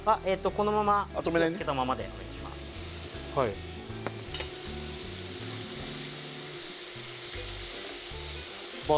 このまま火をつけたままでお願いします